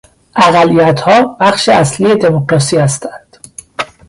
اقلیتها بخش اصلی دمکراسی هستند.